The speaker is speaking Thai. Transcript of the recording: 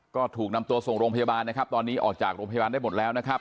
ก็ถูกนำตัวส่งโรงพยาบาลนะครับตอนนี้ออกจากโรงพยาบาลได้หมดแล้วนะครับ